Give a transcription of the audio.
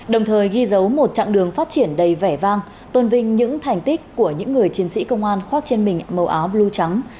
đồng thời ghi dấu một chặng đường phát triển đầy vẻ vang tôn vinh những thành tích của những người chiến sĩ công an khoác trên mình màu áo blue trắng